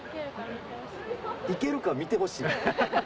「いけるか見てほしい」？